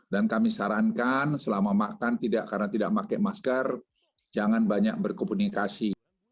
dan kami sarankan selama makan karena tidak pakai masker jangan banyak berkomunikasi